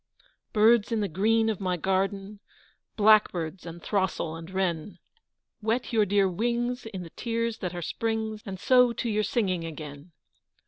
BIRDS in the green of my garden Blackbirds and throstle and wren, Wet your dear wings in the tears that are Spring's And so to your singing again!